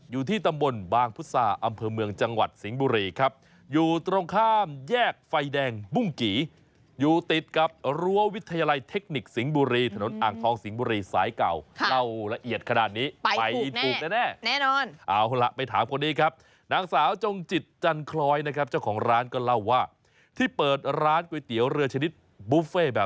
อยู่ที่ตำบลบางพุษาอำเภอเมืองจังหวัดสิงห์บุรีครับอยู่ตรงข้ามแยกไฟแดงบุ้งกี่อยู่ติดกับรั้ววิทยาลัยเทคนิคสิงห์บุรีถนนอ่างทองสิงห์บุรีสายเก่าเล่าละเอียดขนาดนี้ไปถูกแน่แน่นอนเอาล่ะไปถามคนนี้ครับนางสาวจงจิตจันคล้อยนะครับเจ้าของร้านก็เล่าว่าที่เปิดร้านก๋วยเตี๋ยวเรือชนิดบุฟเฟ่แบบ